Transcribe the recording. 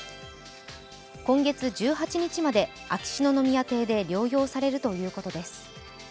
今月１８日まで秋篠宮邸で療養されるということです。